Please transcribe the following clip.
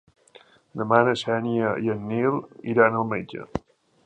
Demà na Xènia i en Nil iran al metge.